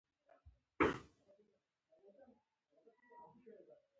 غریب د پاک زړه وارث وي